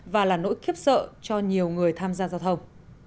và là nỗi khiếp sợ cho nhiều người tham gia giao thông